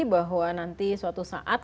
bahwa nanti suatu saat